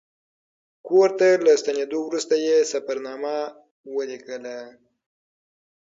کور ته له ستنېدو وروسته یې سفرنامه ولیکله.